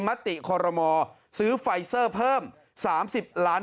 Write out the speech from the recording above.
มะติเฮ่าลมงลซื้อไฟเซอร์เพิ่มสามสิบล้าน